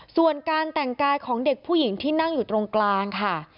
ส่วนการแต่งกายของเด็กผู้หญิงที่นั่งอยู่ตรงกลางค่ะ